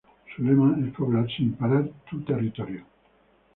Tu lema es poblar sin parar tu territorio.